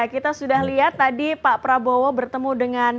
kita sudah lihat tadi pak prabowo giuran subianto pak dolly apa kabar